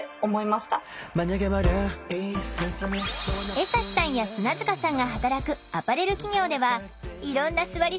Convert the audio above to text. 江刺さんや砂塚さんが働くアパレル企業ではいろんなすわり